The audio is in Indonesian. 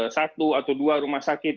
satu atau dua rumah sakit